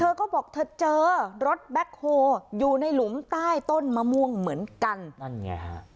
เธอก็บอกเธอเจอรถแบ็คโฮอยู่ในหลุมใต้ต้นมะม่วงเหมือนกันนั่นไงฮะ